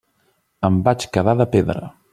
Em vaig quedar de pedra.